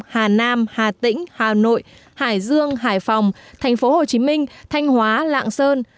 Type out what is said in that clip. hà nam hà tĩnh hà nội hải dương hải phòng thành phố hồ chí minh thanh hóa lạng sơn